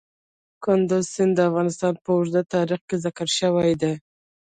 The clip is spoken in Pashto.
کندز سیند د افغانستان په اوږده تاریخ کې ذکر شوی دی.